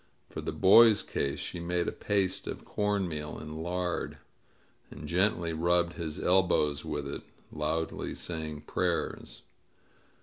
For the boy's case she made 95 INSURGENT MEXICO a paste of corn meal and lard, and gently rubbed his elbows with it, loudly saying prayers.